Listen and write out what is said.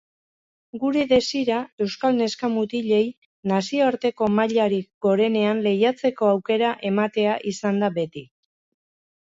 Gure desira euskal neska-mutilei nazioarteko mailarik gorenean lehiatzeko aukera ematea izan da beti.